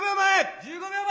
１５秒前！